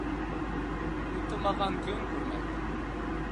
Уҡымаған көн күрмәҫ.